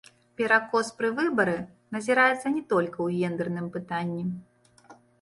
Перакос пры выбары назіраецца не толькі ў гендэрным пытанні.